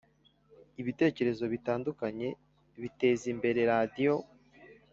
Ibitekerezo bitandukanye biteza imbere radiyo